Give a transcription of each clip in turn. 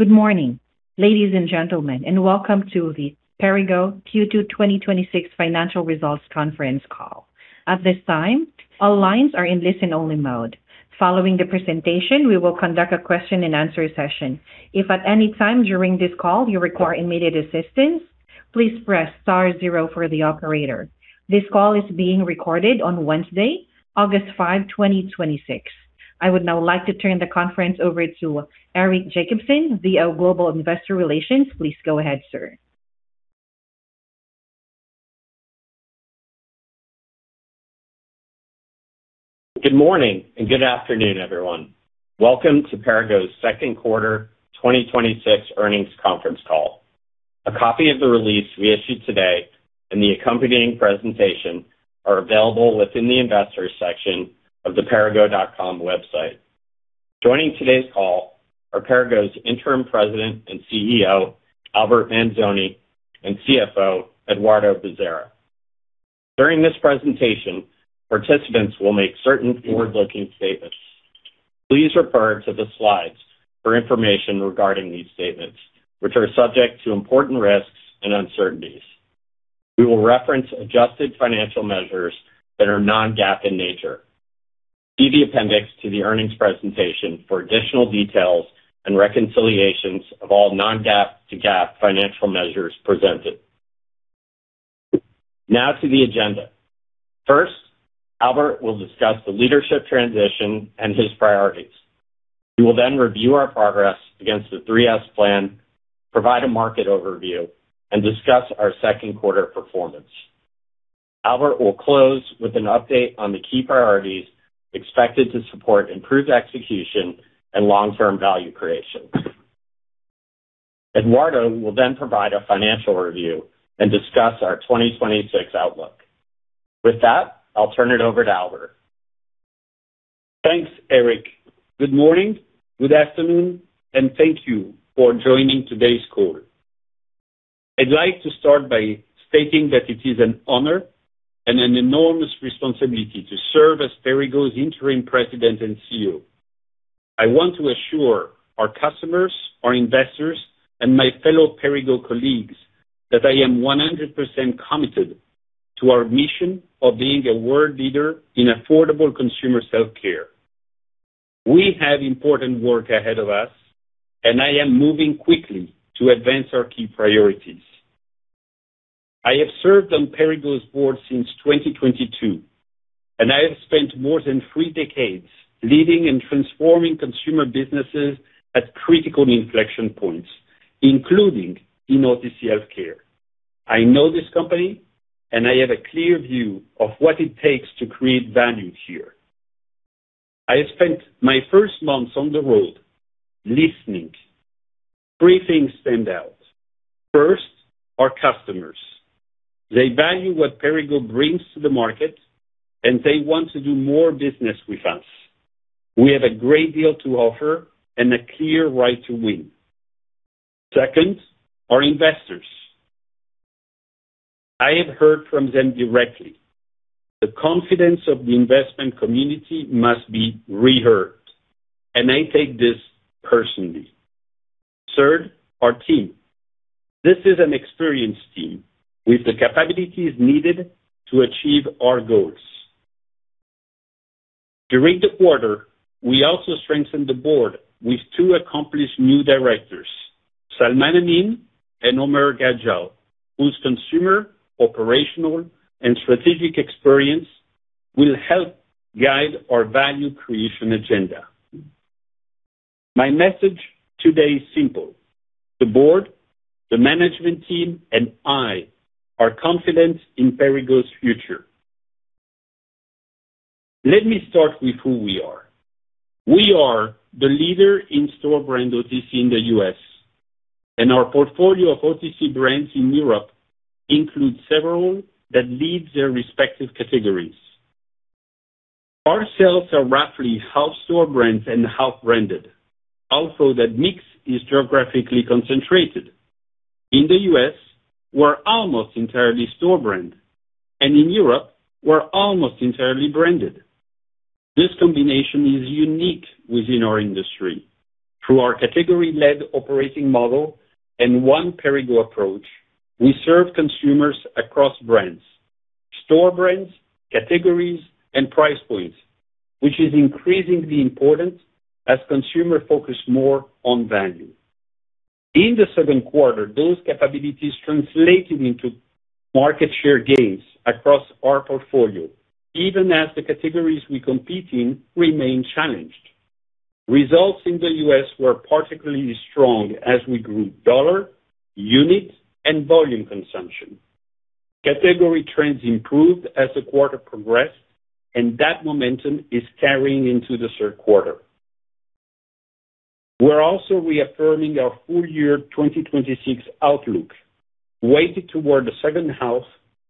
Good morning, ladies and gentlemen, and welcome to the Perrigo Q2 2026 financial results conference call. At this time, all lines are in listen-only mode. Following the presentation, we will conduct a question and answer session. If at any time during this call you require immediate assistance, please press star zero for the operator. This call is being recorded on Wednesday, August 5, 2026. I would now like to turn the conference over to Eric Jacobson, the Global Investor Relations. Please go ahead, sir. Good morning, and good afternoon, everyone. Welcome to Perrigo's second quarter 2026 earnings conference call. A copy of the release we issued today and the accompanying presentation are available within the investors section of the perrigo.com website. Joining today's call are Perrigo's Interim President and CEO, Albert Manzone, and CFO, Eduardo Bezerra. During this presentation, participants will make certain forward-looking statements. Please refer to the slides for information regarding these statements, which are subject to important risks and uncertainties. We will reference adjusted financial measures that are non-GAAP in nature. See the appendix to the earnings presentation for additional details and reconciliations of all non-GAAP to GAAP financial measures presented. Now to the agenda. First, Albert will discuss the leadership transition and his priorities. He will review our progress against the Three-S plan, provide a market overview, and discuss our second quarter performance. Albert will close with an update on the key priorities expected to support improved execution and long-term value creation. Eduardo will provide a financial review and discuss our 2026 outlook. With that, I'll turn it over to Albert. Thanks, Eric. Good morning, good afternoon, and thank you for joining today's call. I'd like to start by stating that it is an honor and an enormous responsibility to serve as Perrigo's Interim President and CEO. I want to assure our customers, our investors, and my fellow Perrigo colleagues that I am 100% committed to our mission of being a world leader in affordable consumer self-care. We have important work ahead of us, and I am moving quickly to advance our key priorities. I have served on Perrigo's board since 2022, and I have spent more than three decades leading and transforming consumer businesses at critical inflection points, including in OTC health care. I know this company, and I have a clear view of what it takes to create value here. I spent my first months on the road listening. Three things stand out. First, our customers. They value what Perrigo brings to the market, and they want to do more business with us. We have a great deal to offer and a clear right to win. Second, our investors. I have heard from them directly. The confidence of the investment community must be re-earned, and I take this personally. Third, our team. This is an experienced team with the capabilities needed to achieve our goals. During the quarter, we also strengthened the board with two accomplished new directors, Salman Amin and Omer Gajial, whose consumer, operational, and strategic experience will help guide our value creation agenda. My message today is simple. The board, the management team, and I are confident in Perrigo's future. Let me start with who we are. We are the leader in store brand OTC in the U.S., and our portfolio of OTC brands in Europe includes several that lead their respective categories. Our sales are roughly half store brands and half branded, although that mix is geographically concentrated. In the U.S., we're almost entirely store brand, and in Europe, we're almost entirely branded. This combination is unique within our industry. Through our category-led operating model and One Perrigo approach, we serve consumers across brands, store brands, categories, and price points, which is increasingly important as consumers focus more on value. In the second quarter, those capabilities translated into market share gains across our portfolio, even as the categories we compete in remain challenged. Results in the U.S. were particularly strong as we grew dollar, unit, and volume consumption. Category trends improved as the quarter progressed, and that momentum is carrying into the third quarter. We're also reaffirming our full-year 2026 outlook, weighted toward the second half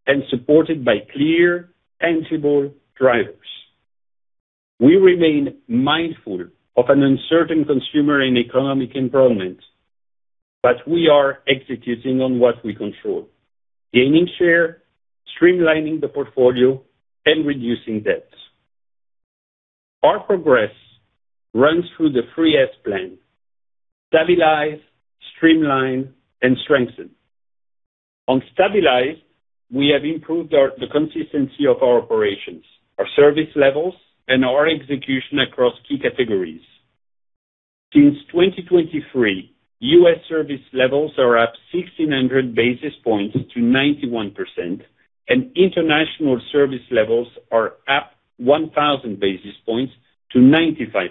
and supported by clear tangible drivers. We remain mindful of an uncertain consumer and economic environment, but we are executing on what we control, gaining share, streamlining the portfolio, and reducing debt. Our progress runs through the Three-S plan: stabilize, streamline, and strengthen. On stabilize, we have improved the consistency of our operations, our service levels, and our execution across key categories. Since 2023, U.S. service levels are up 1,600 basis points to 91%, and international service levels are up 1,000 basis points to 95%.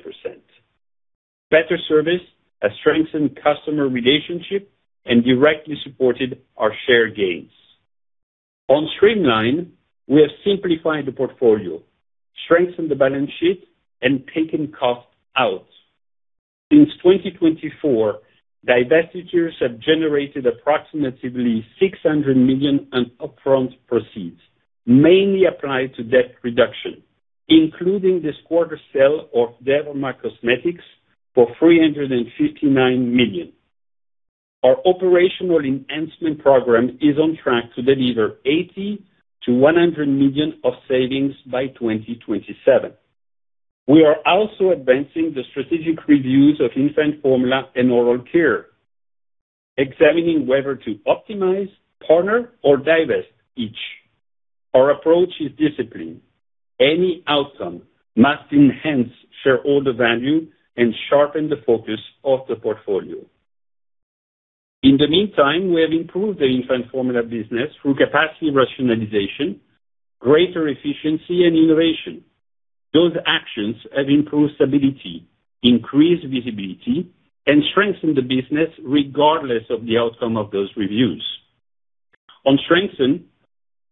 Better service has strengthened customer relationship and directly supported our share gains. On streamline, we have simplified the portfolio, strengthened the balance sheet, and taken cost out. Since 2024, divestitures have generated approximately $600 million on upfront proceeds, mainly applied to debt reduction, including this quarter's sale of Dermacosmetics for $359 million. Our operational enhancement program is on track to deliver $80 million-$100 million of savings by 2027. We are also advancing the strategic reviews of infant formula and oral care, examining whether to optimize, partner, or divest each. Our approach is discipline. Any outcome must enhance shareholder value and sharpen the focus of the portfolio. In the meantime, we have improved the infant formula business through capacity rationalization, greater efficiency, and innovation. Those actions have improved stability, increased visibility, and strengthened the business regardless of the outcome of those reviews. On strengthen,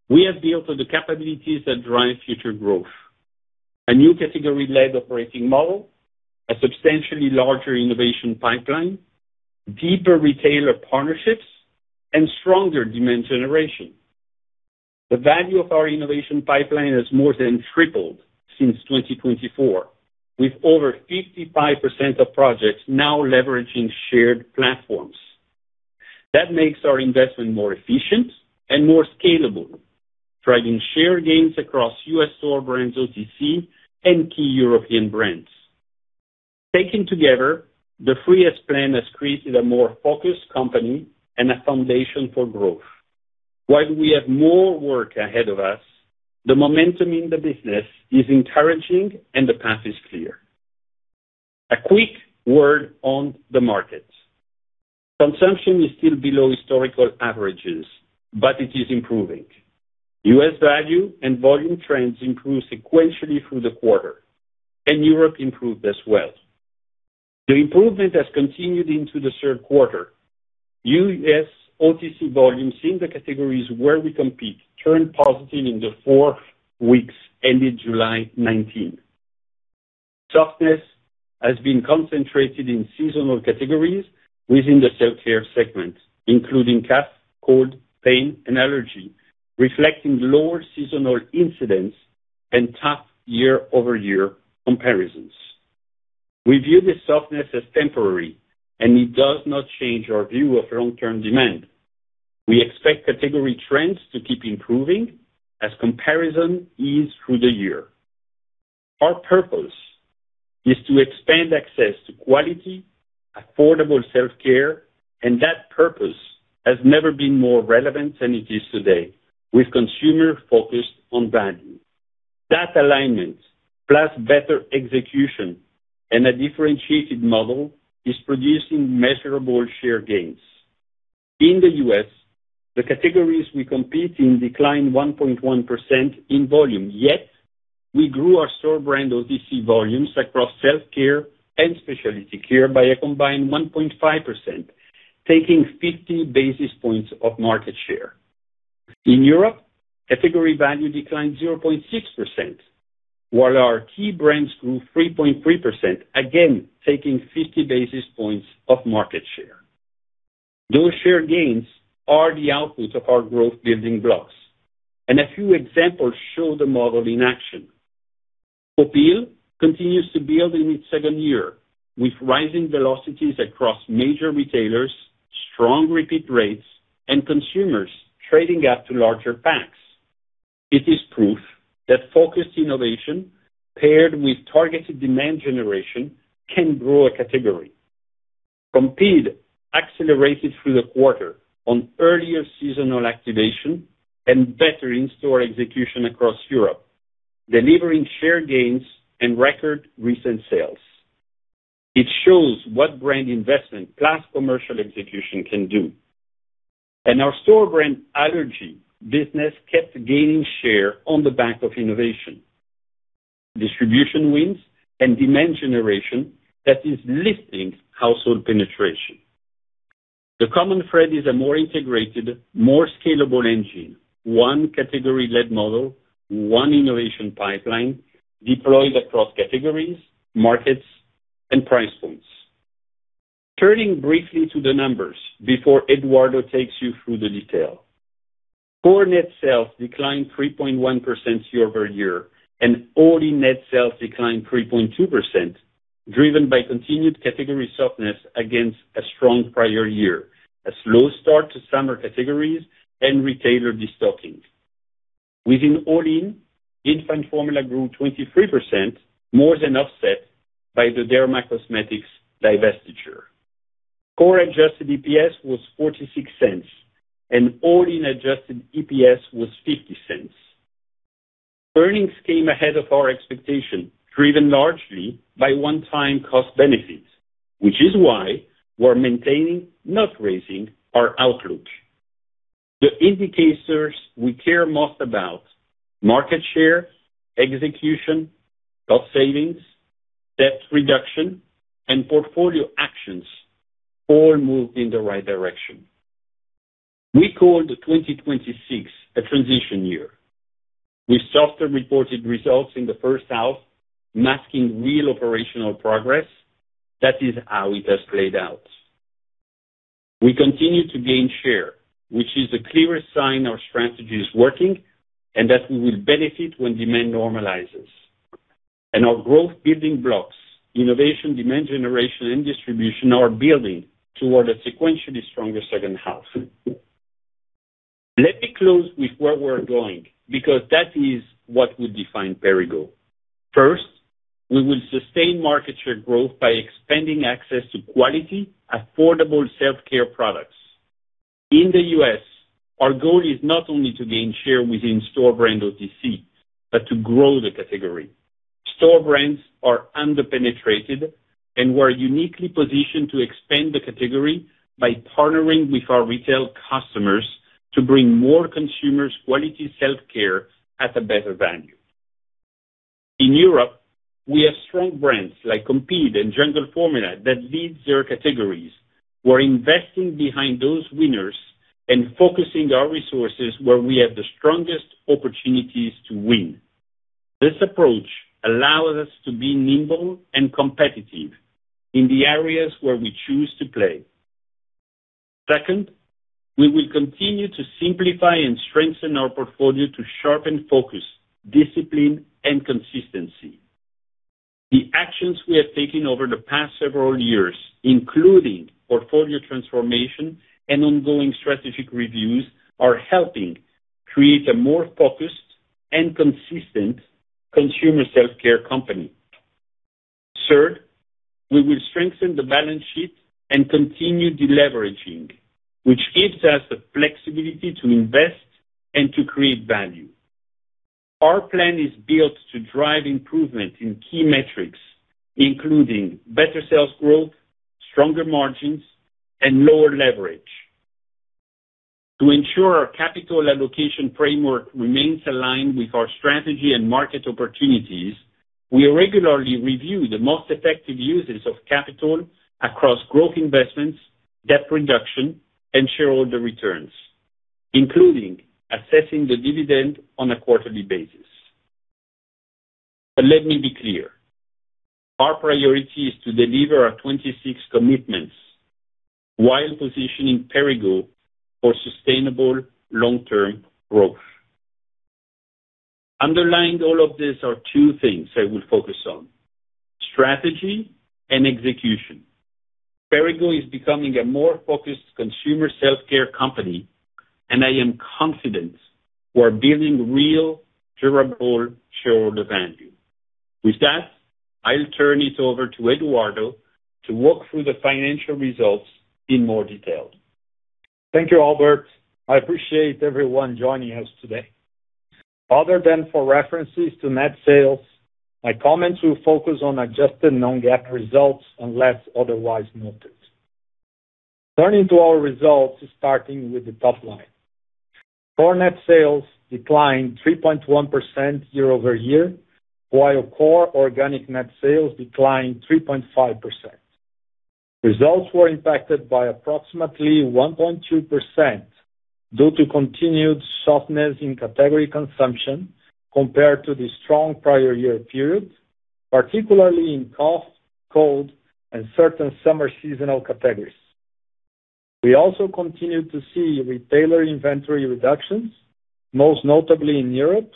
we have built the capabilities that drive future growth. A new category-led operating model, a substantially larger innovation pipeline, deeper retailer partnerships, and stronger demand generation. The value of our innovation pipeline has more than tripled since 2024, with over 55% of projects now leveraging shared platforms. That makes our investment more efficient and more scalable, driving share gains across U.S. store brands, OTC, and key European brands. Taken together, the Three-S plan has created a more focused company and a foundation for growth. While we have more work ahead of us, the momentum in the business is encouraging and the path is clear. A quick word on the market. Consumption is still below historical averages, but it is improving. U.S. value and volume trends improved sequentially through the quarter, and Europe improved as well. The improvement has continued into the third quarter. U.S. OTC volumes in the categories where we compete turned positive in the four weeks ended July 19th. Softness has been concentrated in seasonal categories within the self-care segment, including cough, cold, pain, and allergy, reflecting lower seasonal incidents and tough year-over-year comparisons. We view this softness as temporary, and it does not change our view of long-term demand. We expect category trends to keep improving as comparison ease through the year. Our purpose is to expand access to quality, affordable self-care, and that purpose has never been more relevant than it is today with consumer focused on value. That alignment, plus better execution and a differentiated model, is producing measurable share gains. In the U.S., the categories we compete in declined 1.1% in volume. Yet, we grew our store brand OTC volumes across self-care and specialty care by a combined 1.5%, taking 50 basis points of market share. In Europe, category value declined 0.6%, while our key brands grew 3.3%, again, taking 50 basis points of market share. Those share gains are the outputs of our growth building blocks, and a few examples show the model in action. Opill continues to build in its second year with rising velocities across major retailers, strong repeat rates, and consumers trading up to larger packs. It is proof that focused innovation paired with targeted demand generation can grow a category. Compeed accelerated through the quarter on earlier seasonal activation and better in-store execution across Europe, delivering share gains and record recent sales. It shows what brand investment plus commercial execution can do. Our store brand allergy business kept gaining share on the back of innovation, distribution wins, and demand generation that is lifting household penetration. The common thread is a more integrated, more scalable engine. One category-led model, one innovation pipeline deployed across categories, markets, and price points. Turning briefly to the numbers before Eduardo takes you through the detail. Core net sales declined 3.1% year-over-year, and all-in net sales declined 3.2%. Driven by continued category softness against a strong prior year, a slow start to summer categories, and retailer destocking. Within all-in, infant formula grew 23%, more than offset by the Dermacosmetics divestiture. Core adjusted EPS was $0.46, and all-in adjusted EPS was $0.50. Earnings came ahead of our expectation, driven largely by one-time cost benefits, which is why we're maintaining, not raising our outlook. The indicators we care most about, market share, execution, cost savings, debt reduction, and portfolio actions all moved in the right direction. We called 2026 a transition year, with softer reported results in the first half masking real operational progress. That is how it has played out. We continue to gain share, which is the clearest sign our strategy is working, and that we will benefit when demand normalizes. Our growth building blocks, innovation, demand generation, and distribution are building toward a sequentially stronger second half. Let me close with where we're going, because that is what will define Perrigo. First, we will sustain market share growth by expanding access to quality, affordable self-care products. In the U.S., our goal is not only to gain share within store brand OTC, but to grow the category. Store brands are under-penetrated, and we're uniquely positioned to expand the category by partnering with our retail customers to bring more consumers quality self-care at a better value. In Europe, we have strong brands like Compeed and Jungle Formula that lead their categories. We're investing behind those winners and focusing our resources where we have the strongest opportunities to win. This approach allows us to be nimble and competitive in the areas where we choose to play. Second, we will continue to simplify and strengthen our portfolio to sharpen focus, discipline, and consistency. The actions we have taken over the past several years, including portfolio transformation and ongoing strategic reviews, are helping create a more focused and consistent consumer self-care company. Third, we will strengthen the balance sheet and continue deleveraging, which gives us the flexibility to invest and to create value. Our plan is built to drive improvement in key metrics, including better sales growth, stronger margins, and lower leverage. To ensure our capital allocation framework remains aligned with our strategy and market opportunities, we regularly review the most effective uses of capital across growth investments, debt reduction, and shareholder returns, including assessing the dividend on a quarterly basis. Let me be clear. Our priority is to deliver our 2026 commitments while positioning Perrigo for sustainable long-term growth. Underlying all of this are two things I will focus on: strategy and execution. Perrigo is becoming a more focused consumer self-care company, and I am confident we are building real, durable shareholder value. With that, I'll turn it over to Eduardo to walk through the financial results in more detail. Thank you, Albert. I appreciate everyone joining us today. Other than for references to net sales, my comments will focus on adjusted non-GAAP results unless otherwise noted. Turning to our results, starting with the top line. Core net sales declined 3.1% year-over-year, while core organic net sales declined 3.5%. Results were impacted by approximately 1.2% due to continued softness in category consumption compared to the strong prior year period, particularly in cough, cold, and certain summer seasonal categories. We also continued to see retailer inventory reductions, most notably in Europe,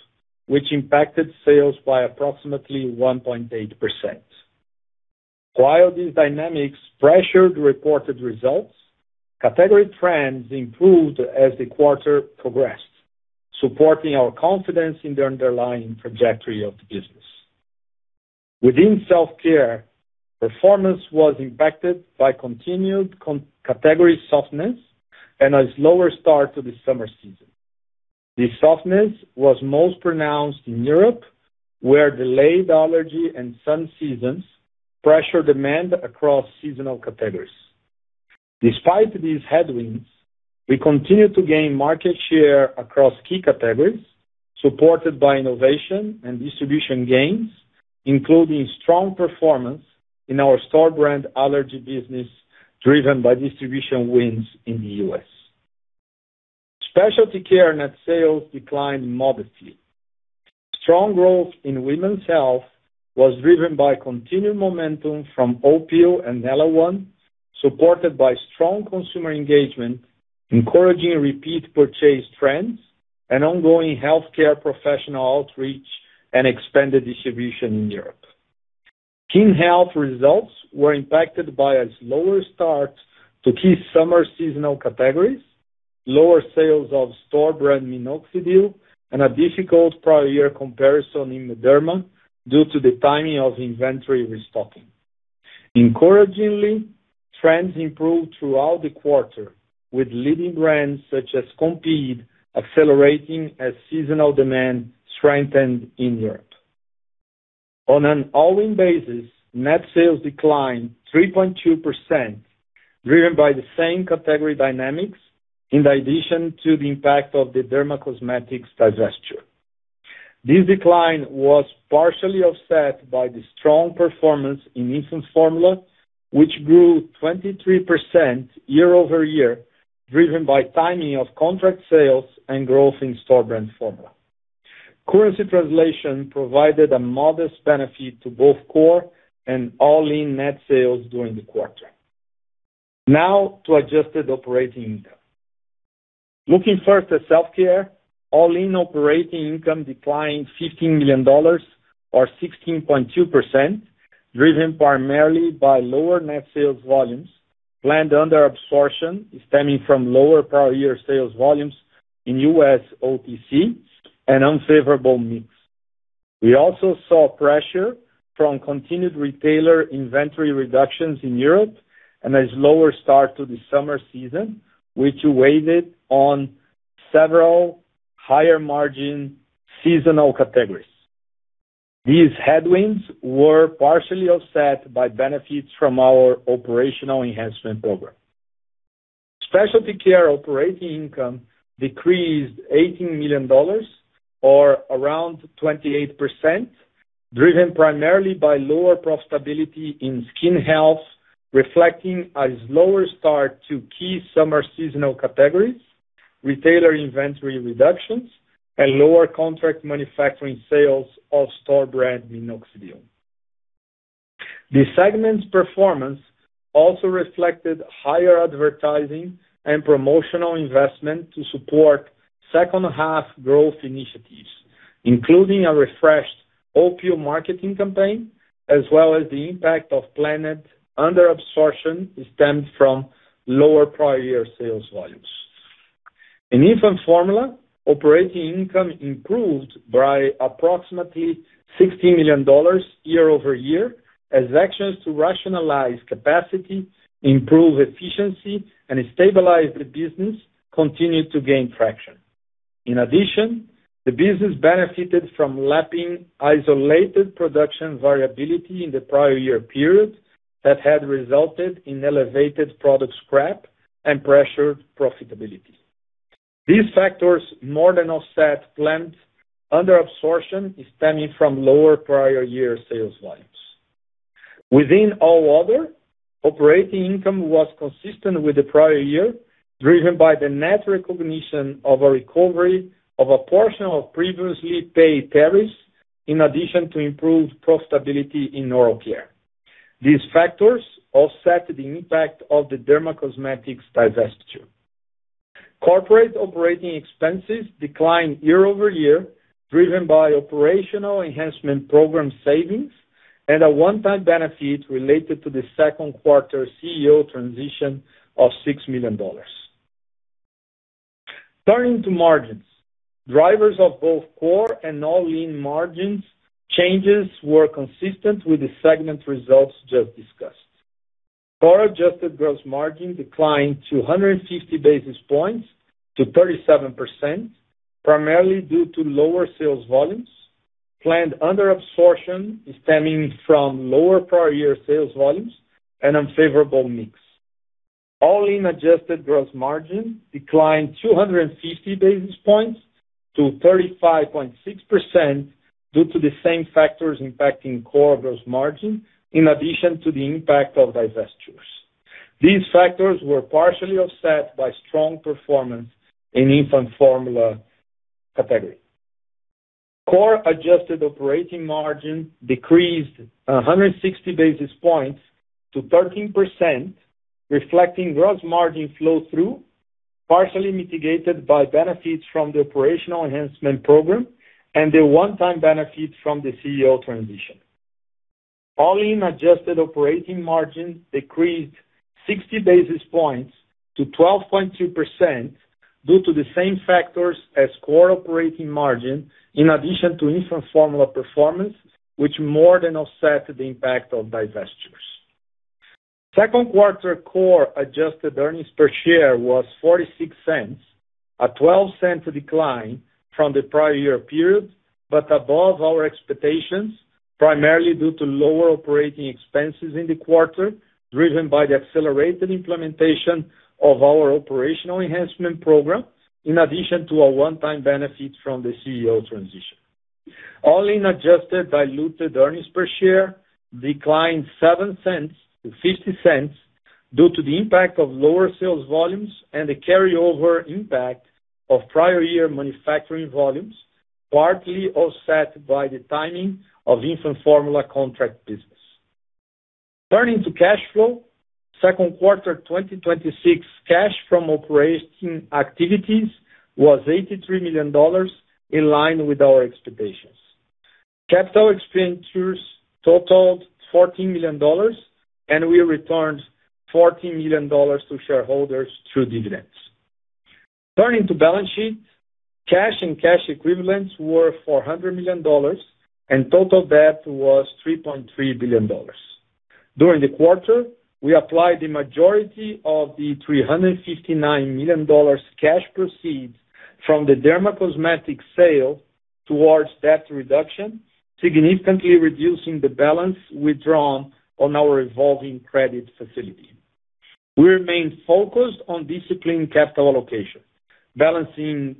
which impacted sales by approximately 1.8%. While these dynamics pressured reported results, category trends improved as the quarter progressed, supporting our confidence in the underlying trajectory of the business. Within self-care, performance was impacted by continued category softness and a slower start to the summer season. This softness was most pronounced in Europe, where delayed allergy and sun seasons pressured demand across seasonal categories. Despite these headwinds, we continued to gain market share across key categories, supported by innovation and distribution gains, including strong performance in our store brand allergy business, driven by distribution wins in the U.S. Specialty care net sales declined modestly. Strong growth in women's health was driven by continued momentum from Opill and ellaOne supported by strong consumer engagement, encouraging repeat purchase trends, and ongoing healthcare professional outreach and expanded distribution in Europe. Skin health results were impacted by a slower start to key summer seasonal categories, lower sales of store-brand minoxidil, and a difficult prior year comparison in Mederma due to the timing of inventory restocking. Encouragingly, trends improved throughout the quarter, with leading brands such as Compeed accelerating as seasonal demand strengthened in Europe. On an all-in basis, net sales declined 3.2%, driven by the same category dynamics in addition to the impact of the Dermacosmetics divestiture. This decline was partially offset by the strong performance in infant formula, which grew 23% year-over-year, driven by timing of contract sales and growth in store brand formula. Currency translation provided a modest benefit to both core and all-in net sales during the quarter. Now to adjusted operating income. Looking first at self-care, all-in operating income declined $15 million, or 16.2%, driven primarily by lower net sales volumes, planned under absorption stemming from lower prior year sales volumes in U.S. OTC, and unfavorable mix. We also saw pressure from continued retailer inventory reductions in Europe and a slower start to the summer season, which weighed on several higher-margin seasonal categories. These headwinds were partially offset by benefits from our operational enhancement program. Specialty care operating income decreased $18 million, or around 28%, driven primarily by lower profitability in skin health, reflecting a slower start to key summer seasonal categories, retailer inventory reductions, and lower contract manufacturing sales of store-brand minoxidil. The segment's performance also reflected higher advertising and promotional investment to support second-half growth initiatives, including a refreshed Opill marketing campaign, as well as the impact of planned under absorption stemmed from lower prior year sales volumes. In infant formula, operating income improved by approximately $16 million year-over-year, as actions to rationalize capacity, improve efficiency, and stabilize the business continued to gain traction. In addition, the business benefited from lapping isolated production variability in the prior year period that had resulted in elevated product scrap and pressured profitability. These factors more than offset planned under absorption stemming from lower prior year sales volumes. Within all other, operating income was consistent with the prior year, driven by the net recognition of a recovery of a portion of previously paid tariffs, in addition to improved profitability in oral care. These factors offset the impact of the Dermacosmetics divestiture. Corporate operating expenses declined year-over-year, driven by operational enhancement program savings and a one-time benefit related to the second quarter CEO transition of $6 million. Turning to margins, drivers of both core and all-in margins changes were consistent with the segment results just discussed. Core adjusted gross margin declined 250 basis points to 37%, primarily due to lower sales volumes, planned under absorption stemming from lower prior year sales volumes, and unfavorable mix. All-in adjusted gross margin declined 250 basis points to 35.6% due to the same factors impacting core gross margin, in addition to the impact of divestitures. These factors were partially offset by strong performance in infant formula category. Core adjusted operating margin decreased 160 basis points to 13%, reflecting gross margin flow-through, partially mitigated by benefits from the operational enhancement program and a one-time benefit from the CEO transition. All-in adjusted operating margin decreased 60 basis points to 12.2% due to the same factors as core operating margin, in addition to infant formula performance, which more than offset the impact of divestitures. Second quarter core adjusted earnings per share was $0.46, a $0.12 decline from the prior year period, but above our expectations, primarily due to lower operating expenses in the quarter, driven by the accelerated implementation of our operational enhancement program, in addition to a one-time benefit from the CEO transition. All-in adjusted diluted earnings per share declined $0.07 to $0.50 due to the impact of lower sales volumes and the carryover impact of prior year manufacturing volumes Partly offset by the timing of infant formula contract business. Turning to cash flow, second quarter 2026 cash from operating activities was $83 million, in line with our expectations. Capital expenditures totaled $14 million, and we returned $14 million to shareholders through dividends. Turning to balance sheet, cash and cash equivalents were $400 million, and total debt was $3.3 billion. During the quarter, we applied the majority of the $359 million cash proceeds from the Dermacosmetics sale towards debt reduction, significantly reducing the balance withdrawn on our revolving credit facility. We remain focused on disciplined capital allocation, balancing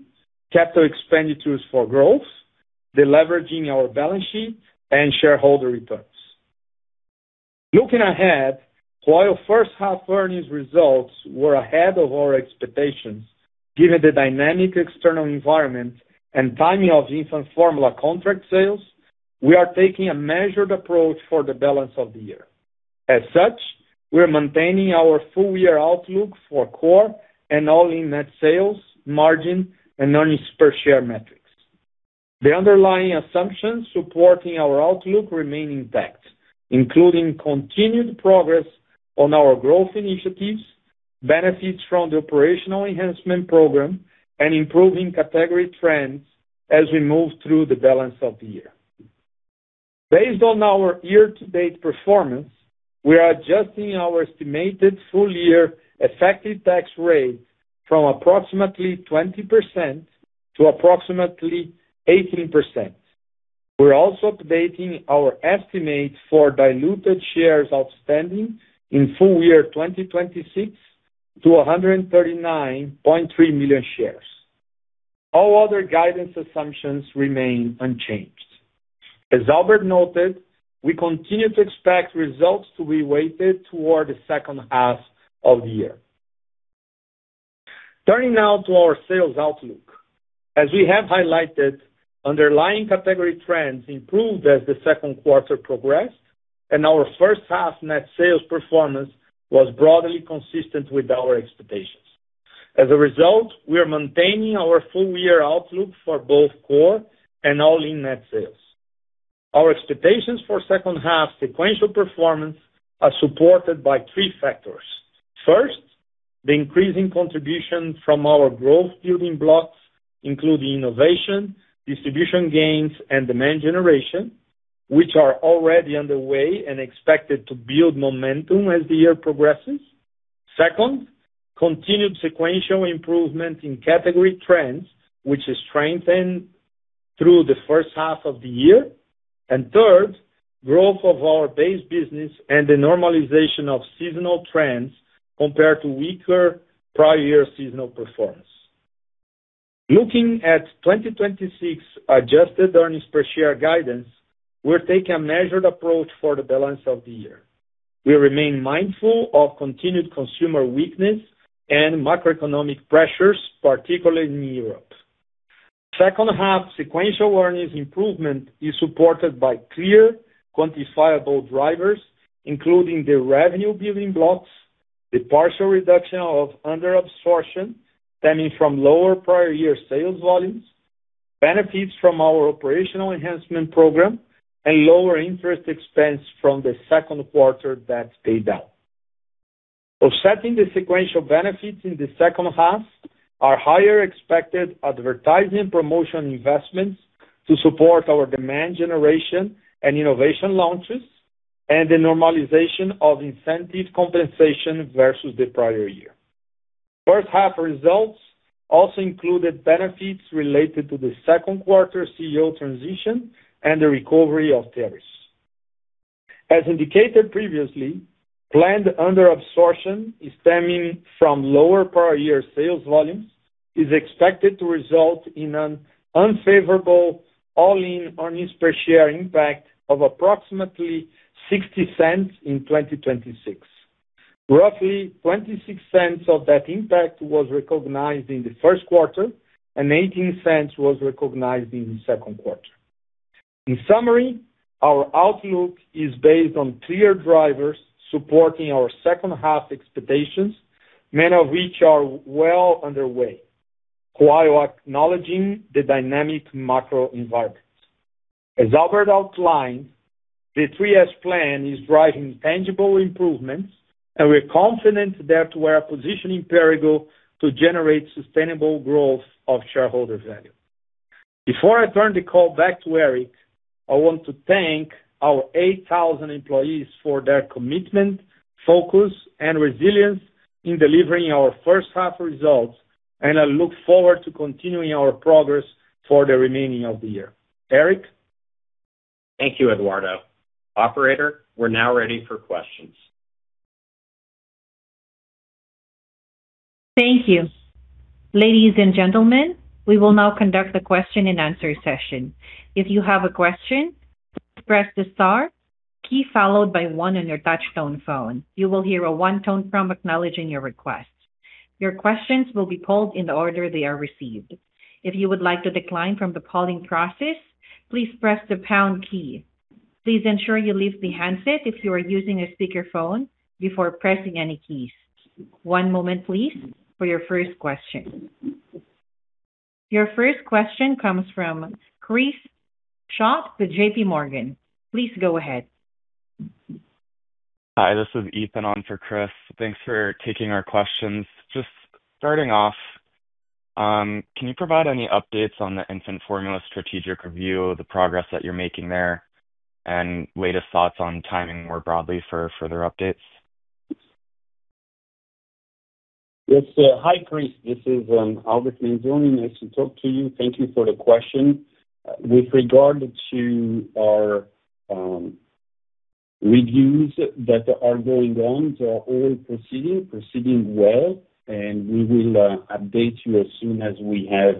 capital expenditures for growth, de-leveraging our balance sheet, and shareholder returns. Looking ahead, while first half earnings results were ahead of our expectations, given the dynamic external environment and timing of infant formula contract sales, we are taking a measured approach for the balance of the year. As such, we're maintaining our full year outlook for core and all-in net sales, margin, and earnings per share metrics. The underlying assumptions supporting our outlook remain intact, including continued progress on our growth initiatives, benefits from the operational enhancement program, and improving category trends as we move through the balance of the year. Based on our year-to-date performance, we are adjusting our estimated full-year effective tax rate from approximately 20% to approximately 18%. We're also updating our estimates for diluted shares outstanding in full year 2026 to 139.3 million shares. All other guidance assumptions remain unchanged. As Albert noted, we continue to expect results to be weighted toward the second half of the year. Turning now to our sales outlook. As we have highlighted, underlying category trends improved as the second quarter progressed, and our first half net sales performance was broadly consistent with our expectations. As a result, we are maintaining our full year outlook for both core and all-in net sales. Our expectations for second half sequential performance are supported by three factors. First, the increasing contribution from our growth building blocks, including innovation, distribution gains, and demand generation, which are already underway and expected to build momentum as the year progresses. Second, continued sequential improvement in category trends, which has strengthened through the first half of the year. Third, growth of our base business and the normalization of seasonal trends compared to weaker prior year seasonal performance. Looking at 2026 adjusted earnings per share guidance, we're taking a measured approach for the balance of the year. We remain mindful of continued consumer weakness and macroeconomic pressures, particularly in Europe. Second half sequential earnings improvement is supported by clear, quantifiable drivers, including the revenue building blocks, the partial reduction of under absorption stemming from lower prior year sales volumes, benefits from our operational enhancement program, and lower interest expense from the second quarter debt paydown. Offsetting the sequential benefits in the second half are higher expected advertising promotion investments to support our demand generation and innovation launches, and the normalization of incentive compensation versus the prior year. First half results also included benefits related to the second quarter CEO transition and the recovery of tariffs. As indicated previously, planned under absorption stemming from lower prior year sales volumes is expected to result in an unfavorable all-in earnings per share impact of approximately $0.60 in 2026. Roughly $0.26 of that impact was recognized in the first quarter, and $0.18 was recognized in the second quarter. In summary, our outlook is based on clear drivers supporting our second half expectations, many of which are well underway, while acknowledging the dynamic macro environments. As Albert outlined, the 3S plan is driving tangible improvements, and we're confident that we're positioning Perrigo to generate sustainable growth of shareholder value. Before I turn the call back to Eric, I want to thank our 8,000 employees for their commitment, focus, and resilience in delivering our first half results, and I look forward to continuing our progress for the remaining of the year. Eric? Thank you, Eduardo. Operator, we're now ready for questions. Thank you. Ladies and gentlemen, we will now conduct the question and answer session. If you have a question, please Press the star key followed by one on your touchtone phone. You will hear a one tone prompt acknowledging your request. Your questions will be called in the order they are received. If you would like to decline from the calling process, please press the pound key. Please ensure you leave the handset if you are using a speakerphone before pressing any keys. One moment please, for your first question. Your first question comes from Chris Schott with JPMorgan. Please go ahead. Hi, this is Ethan on for Chris. Thanks for taking our questions. Just starting off, can you provide any updates on the infant formula strategic review, the progress that you're making there, and latest thoughts on timing more broadly for further updates? Yes. Hi, Chris. This is Albert Manzone. Nice to talk to you. Thank you for the question. With regard to our reviews that are going on, they are all proceeding well, and we will update you as soon as we have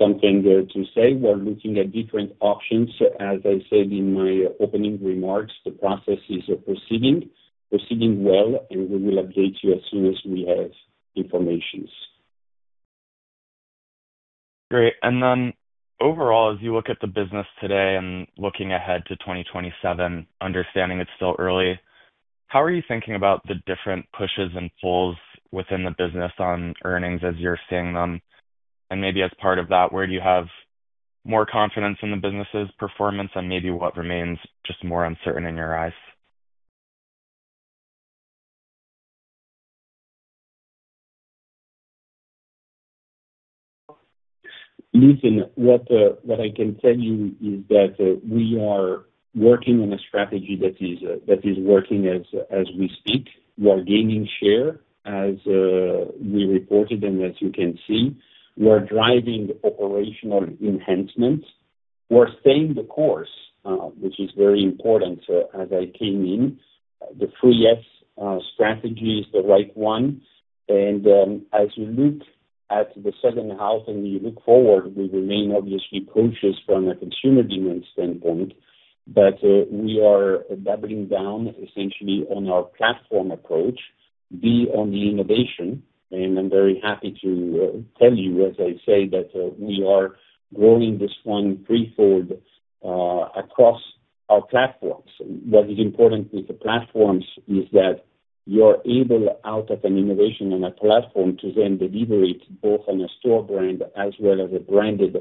something there to say. We're looking at different options. As I said in my opening remarks, the process is proceeding well, and we will update you as soon as we have information. Great. Overall, as you look at the business today and looking ahead to 2027, understanding it's still early, how are you thinking about the different pushes and pulls within the business on earnings as you're seeing them? Maybe as part of that, where do you have more confidence in the business's performance, and maybe what remains just more uncertain in your eyes? Listen, what I can tell you is that we are working on a strategy that is working as we speak. We are gaining share, as we reported and as you can see. We are driving operational enhancements. We're staying the course, which is very important as I came in. The Three-S strategy is the right one. As we look at the second half and we look forward, we remain obviously cautious from a consumer demand standpoint. We are doubling down essentially on our platform approach, be on the innovation. I'm very happy to tell you, as I say, that we are growing the Swan threefold across our platforms. What is important with the platforms is that you are able, out of an innovation and a platform, to then deliver it both on a store brand as well as a branded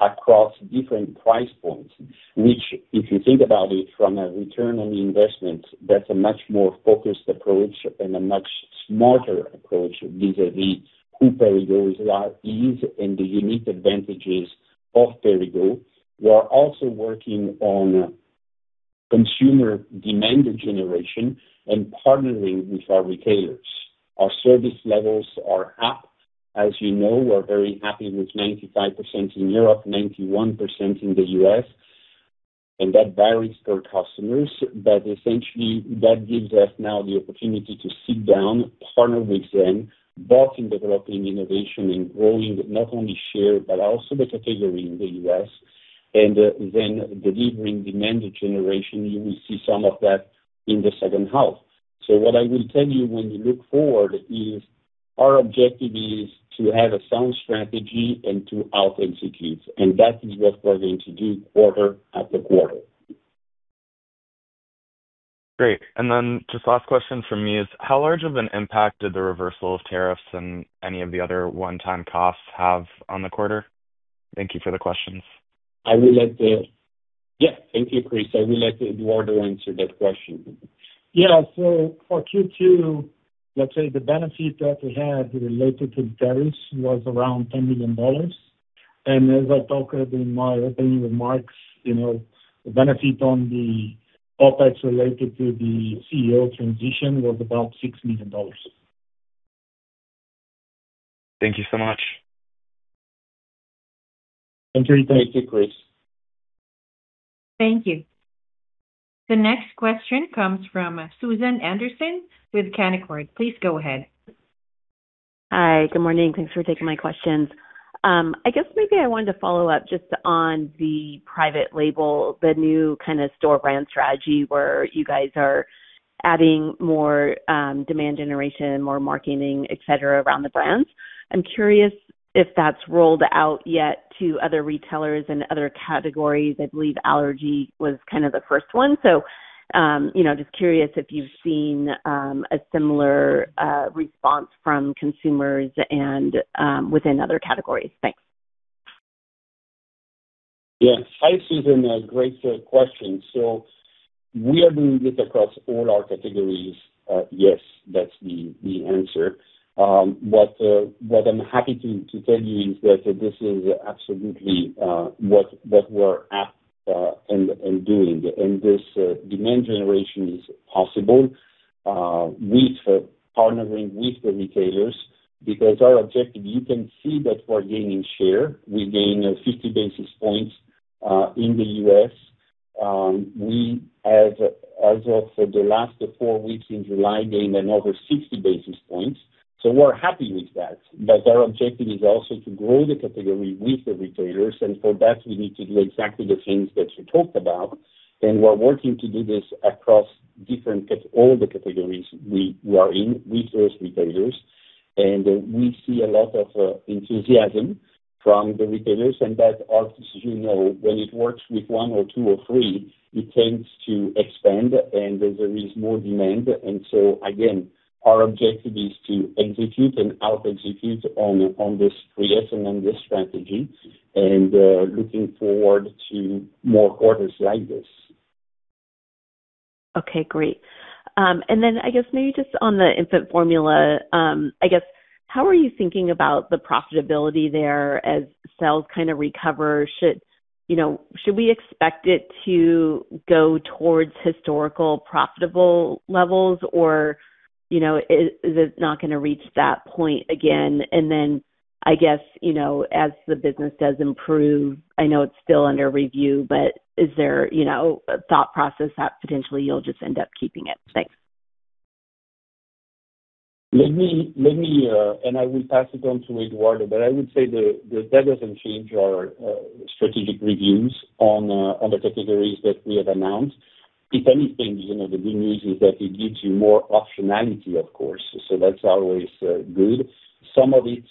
across different price points, which, if you think about it from a return on investment, that's a much more focused approach and a much smarter approach vis-a-vis who Perrigo is and the unique advantages of Perrigo. We are also working on consumer demand generation and partnering with our retailers. Our service levels are up. As you know, we're very happy with 95% in Europe, 91% in the U.S., and that varies per customers. Essentially, that gives us now the opportunity to sit down, partner with them, both in developing innovation and growing not only share, but also the category in the U.S., and then delivering demand generation. You will see some of that in the second half. What I will tell you when you look forward is our objective is to have a sound strategy and to out execute, and that is what we're going to do quarter after quarter. Great. Just last question from me is, how large of an impact did the reversal of tariffs and any of the other one-time costs have on the quarter? Thank you for the questions. Thank you, Chris. I will let Eduardo answer that question. Yeah. For Q2, let's say the benefit that we had related to tariffs was around $10 million. As I talked in my opening remarks, the benefit on the Opex related to the CEO transition was about $6 million. Thank you so much. Thank you. Thank you, Chris. Thank you. The next question comes from Susan Anderson with Canaccord. Please go ahead. Hi. Good morning. Thanks for taking my questions. I guess maybe I wanted to follow up just on the private label, the new kind of store brand strategy where you guys are adding more demand generation, more marketing, et cetera, around the brands. I'm curious if that's rolled out yet to other retailers and other categories. I believe allergy was kind of the first one. Just curious if you've seen a similar response from consumers and within other categories. Thanks. Yeah. Hi, Susan. Great question. We are doing this across all our categories. Yes, that's the answer. What I'm happy to tell you is that this is absolutely what we're at and doing. This demand generation is possible with partnering with the retailers because our objective, you can see that we're gaining share. We gained 50 basis points, in the U.S. We, as of the last four weeks in July, gained another 60 basis points. We're happy with that. Our objective is also to grow the category with the retailers, and for that, we need to do exactly the things that you talked about. We're working to do this across all the categories we are in with those retailers. We see a lot of enthusiasm from the retailers, and that as you know, when it works with one or two or three, it tends to expand, and there is more demand. Again, our objective is to execute and out-execute on this creation and this strategy, and looking forward to more quarters like this. Okay, great. I guess maybe just on the infant formula, how are you thinking about the profitability there as sales kind of recover? Should we expect it to go towards historical profitable levels or is it not going to reach that point again? I guess, as the business does improve, I know it's still under review, but is there a thought process that potentially you'll just end up keeping it? Thanks. I will pass it on to Eduardo, but I would say that doesn't change our strategic reviews on the categories that we have announced. If anything, the good news is that it gives you more optionality, of course. That's always good. Some of it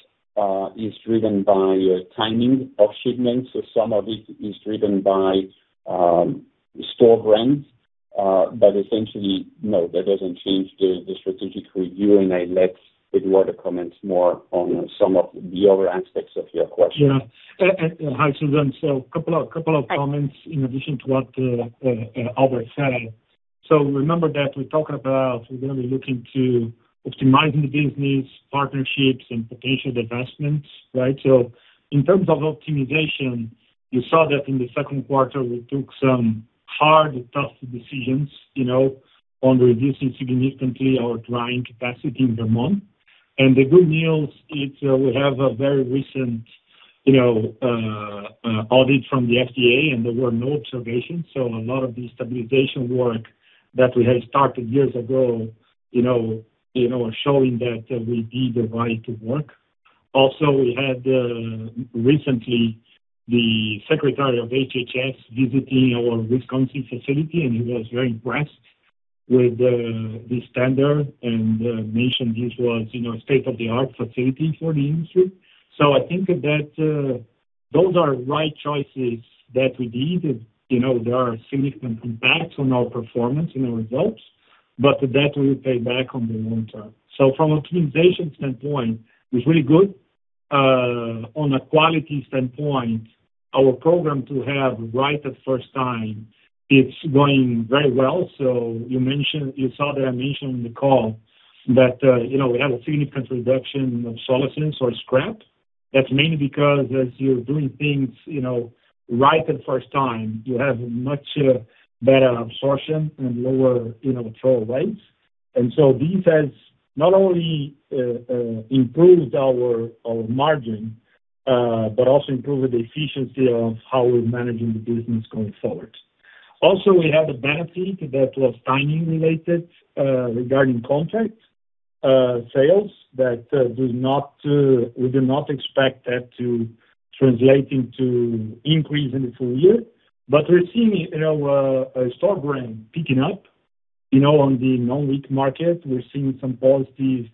is driven by timing of shipments, so some of it is driven by store brands. Essentially, no, that doesn't change the strategic review. I let Eduardo comment more on some of the other aspects of your question. Yeah. Hi, Susan. A couple of comments in addition to what Albert said. Remember that we talked about we're going to be looking to optimizing the business, partnerships, and potential divestments, right? In terms of optimization, you saw that in the second quarter, we took some hard, tough decisions on reducing significantly our drying capacity in Vermont. The good news is we have a very recent audit from the FDA, and there were no observations. A lot of the stabilization work that we had started years ago, showing that we did the right work. Also, we had recently the Secretary of HHS visiting our Wisconsin facility, and he was very impressed with the standard and mentioned this was a state-of-the-art facility for the industry. I think that those are right choices that we did. There are significant impacts on our performance and our results, but that will pay back on the long term. From optimization standpoint, it's really good. On a quality standpoint, our program to have right at first time, it's going very well. You saw that I mentioned in the call that we have a significant reduction of rejects or scrap. That's mainly because as you're doing things right the first time, you have much better absorption and lower throw rates. This has not only improved our margin, but also improved the efficiency of how we're managing the business going forward. Also, we had a benefit that was timing related regarding contract sales that we do not expect that to translate into increase in the full year. We're seeing our store brand picking up on the non-WIC market. We're seeing some positive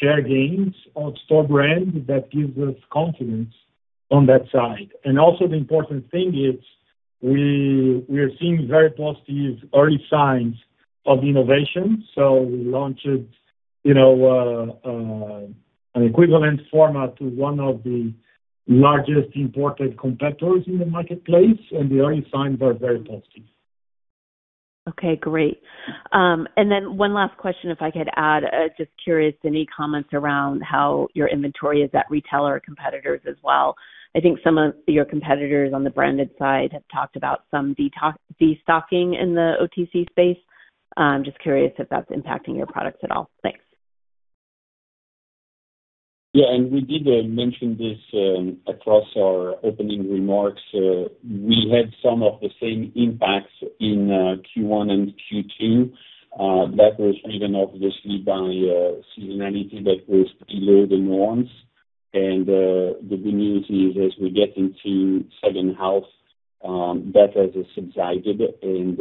share gains of store brand that gives us confidence on that side. Also the important thing is we are seeing very positive early signs of innovation. We launched an equivalent format to one of the largest imported competitors in the marketplace, and the early signs are very positive. Okay, great. One last question, if I could add. Just curious, any comments around how your inventory is at retailer competitors as well? I think some of your competitors on the branded side have talked about some destocking in the OTC space. I am just curious if that is impacting your products at all. Thanks. We did mention this across our opening remarks. We had some of the same impacts in Q1 and Q2. That was driven obviously by seasonality that was below the norms. The good news is, as we get into second half, that has subsided, and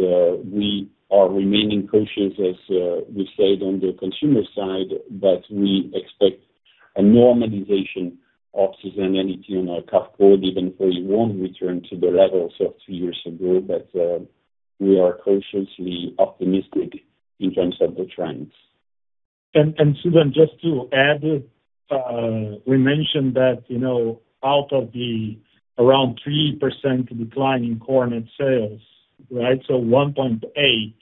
we are remaining cautious, as we said, on the consumer side, we expect a normalization of seasonality in our cohort, even if we won't return to the levels of two years ago. We are cautiously optimistic in terms of the trends. Susan, just to add, we mentioned that out of the around 3% decline in core net sales, 1.8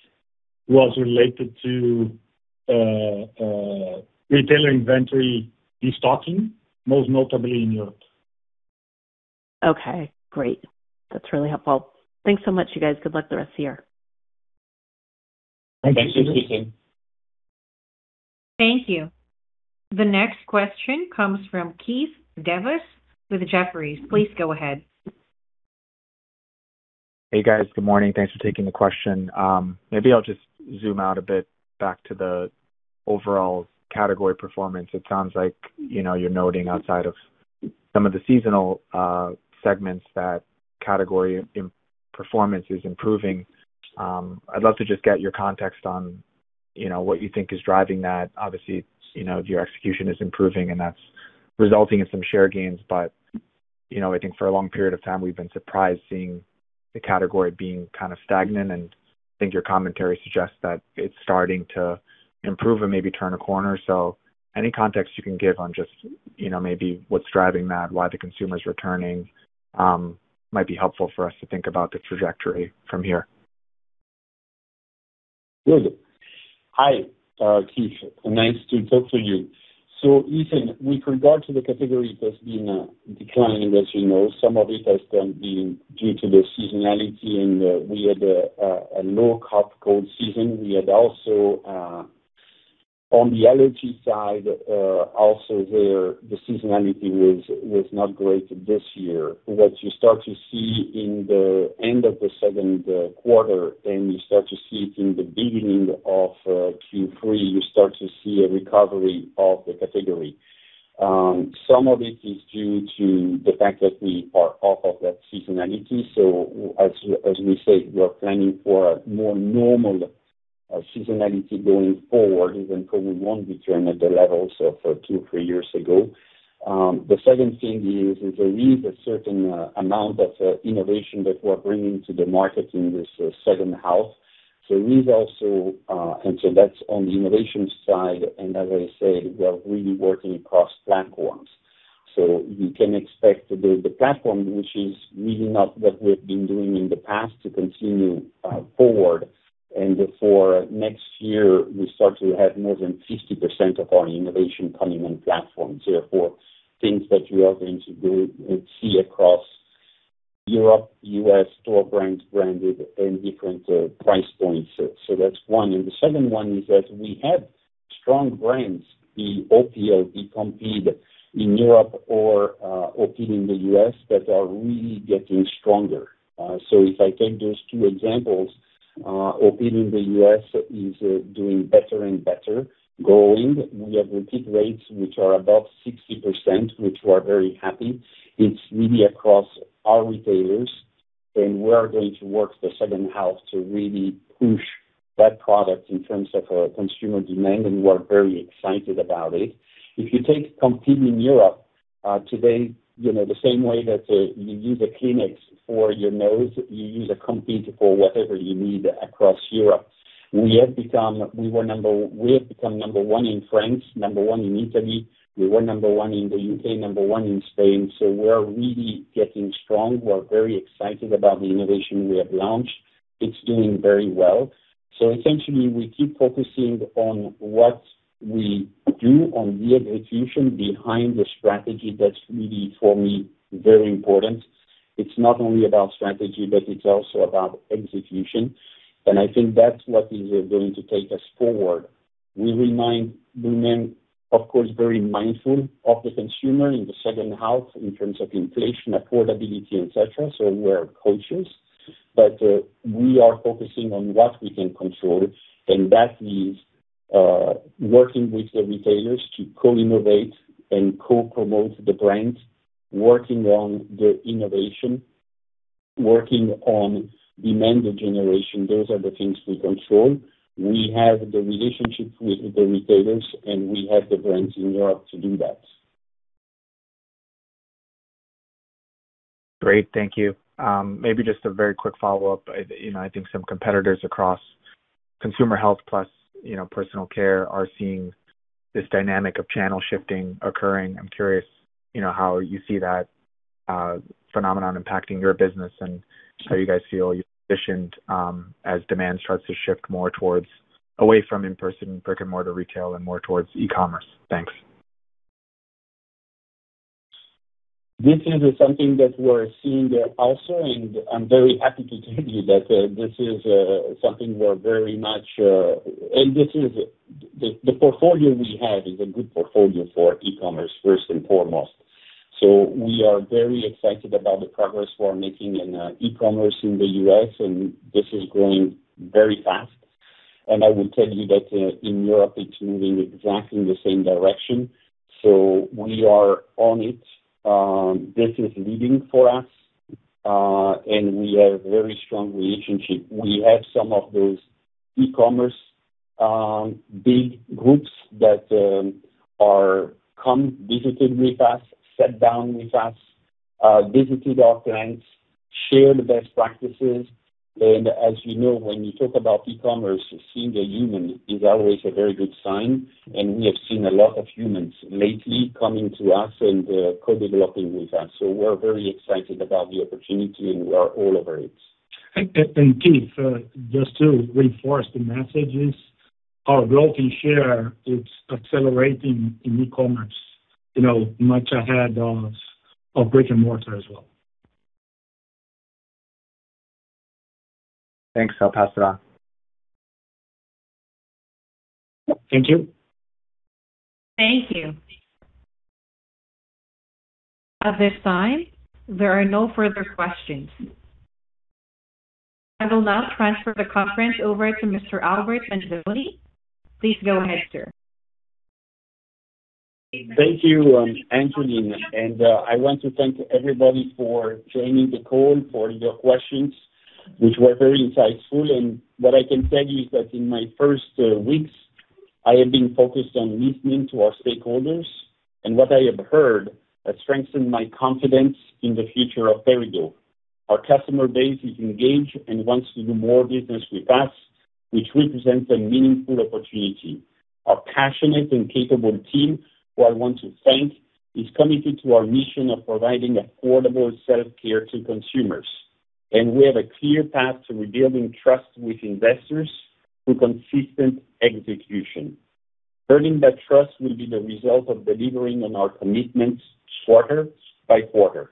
was related to retailer inventory destocking, most notably in Europe. Okay, great. That is really helpful. Thanks so much, you guys. Good luck the rest of the year. Thank you, Susan. Thank you, Susan. Thank you. The next question comes from Keith Devas with Jefferies. Please go ahead. Hey, guys. Good morning. Thanks for taking the question. Maybe I'll just zoom out a bit back to the overall category performance. It sounds like you're noting outside of some of the seasonal segments, that category performance is improving. I'd love to just get your context on what you think is driving that. Obviously, your execution is improving and that's resulting in some share gains. I think for a long period of time, we've been surprised seeing the category being kind of stagnant, and I think your commentary suggests that it's starting to improve and maybe turn a corner. Any context you can give on just maybe what's driving that, why the consumer's returning, might be helpful for us to think about the trajectory from here. Good. Hi, Keith. Nice to talk to you. Keith, with regard to the category that's been declining, as you know, some of it has been due to the seasonality and we had a low cough, cold season. We had also on the allergy side, also there the seasonality was not great this year. What you start to see in the end of the second quarter, then you start to see it in the beginning of Q3, you start to see a recovery of the category. Some of it is due to the fact that we are off of that seasonality. As we say, we are planning for a more normal seasonality going forward, even COVID won't return at the levels of two or three years ago. The second thing is, there is a certain amount of innovation that we're bringing to the market in this second half. That's on the innovation side, as I said, we are really working across platforms. You can expect the platform, which is really not what we've been doing in the past, to continue forward. For next year, we start to have more than 50% of our innovation coming on platforms, therefore things that you are going to see across Europe, U.S., store brands, branded and different price points. That's one. The second one is that we have strong brands, be it Opill, be it Compeed in Europe or Opill in the U.S. that are really getting stronger. If I take those two examples, Opill in the U.S. is doing better and better, growing. We have repeat rates which are above 60%, which we are very happy. It's really across all retailers. We are going to work the second half to really push that product in terms of consumer demand. We are very excited about it. If you take Compeed in Europe today, the same way that you use a Kleenex for your nose, you use a Compeed for whatever you need across Europe. We have become number one in France, number one in Italy. We were number one in the U.K., number 1 in Spain. We are really getting strong. We are very excited about the innovation we have launched. It's doing very well. Essentially we keep focusing on what we do on the execution behind the strategy. That's really, for me, very important. It's not only about strategy, but it's also about execution. I think that's what is going to take us forward. We remain, of course, very mindful of the consumer in the second half in terms of inflation, affordability, et cetera. We are cautious, but we are focusing on what we can control, that is working with the retailers to co-innovate and co-promote the brands, working on the innovation, working on demand generation. Those are the things we control. We have the relationships with the retailers, we have the brands in Europe to do that. Great. Thank you. Maybe just a very quick follow-up. I think some competitors across consumer health plus personal care are seeing this dynamic of channel shifting occurring. I'm curious how you see that phenomenon impacting your business and how you guys feel you're positioned as demand starts to shift more away from in-person brick and mortar retail and more towards e-commerce. Thanks. This is something that we're seeing also, and I'm very happy to tell you that this is something we're very much. The portfolio we have is a good portfolio for e-commerce, first and foremost. We are very excited about the progress we're making in e-commerce in the U.S., and this is growing very fast. I will tell you that in Europe it's moving exactly the same direction. We are on it. This is leading for us. We have very strong relationship. We have some of those e-commerce big groups that come visited with us, sat down with us, visited our clients, shared best practices. As you know, when you talk about e-commerce, seeing a human is always a very good sign. We have seen a lot of humans lately coming to us and co-developing with us. We're very excited about the opportunity, and we are all over it. Keith, just to reinforce the messages, our growth in share is accelerating in e-commerce much ahead of brick and mortar as well. Thanks. I'll pass it on. Thank you. Thank you. At this time, there are no further questions. I will now transfer the conference over to Mr. Albert Manzone. Please go ahead, sir. Thank you, Angeline. I want to thank everybody for joining the call, for your questions, which were very insightful. What I can tell you is that in my first weeks, I have been focused on listening to our stakeholders, what I have heard has strengthened my confidence in the future of Perrigo. Our customer base is engaged and wants to do more business with us, which represents a meaningful opportunity. Our passionate and capable team, who I want to thank, is committed to our mission of providing affordable self-care to consumers. We have a clear path to rebuilding trust with investors through consistent execution. Earning that trust will be the result of delivering on our commitments quarter by quarter.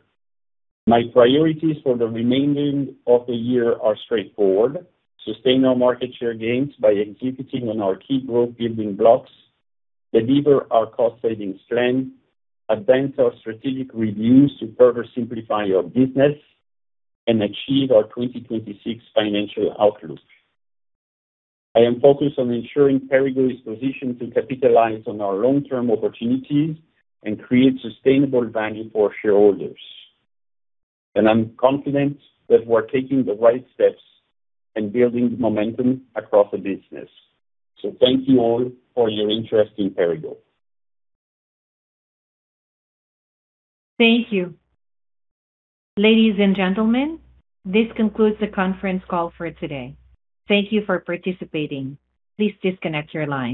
My priorities for the remaining of the year are straightforward: sustain our market share gains by executing on our key growth building blocks, deliver our cost-saving plan, advance our strategic reviews to further simplify our business, and achieve our 2026 financial outlook. I am focused on ensuring Perrigo is positioned to capitalize on our long-term opportunities and create sustainable value for shareholders. I'm confident that we're taking the right steps and building momentum across the business. Thank you all for your interest in Perrigo. Thank you. Ladies and gentlemen, this concludes the conference call for today. Thank you for participating. Please disconnect your line.